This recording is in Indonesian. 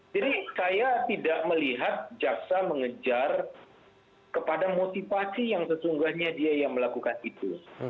jadi saya tidak melihat jaxa mengejar kepada motivasi yang sesungguhnya dia yang melakukan itu